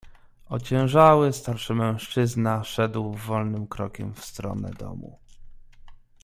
"Ociężały, starszy mężczyzna szedł wolnym krokiem w stronę domu."